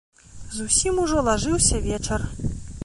Зусім ужо лажыўся вечар.